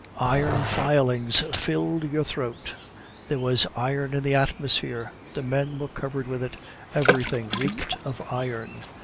Iron filings filled your throat. There was iron in the atmosphere; the men were covered with it; everything reeked of iron.